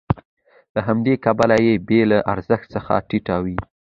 له همدې کبله یې بیه له ارزښت څخه ټیټه وي